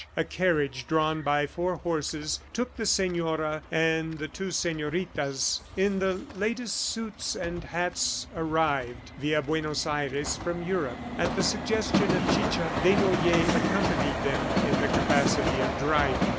A carriage drawn by four horses took the senora and the two senoritas in the latest suits and hats arrived, via Buenos Aires, from Europe. At the suggestion of Chicha, Desnoyers accompanied them in the capacity of driver.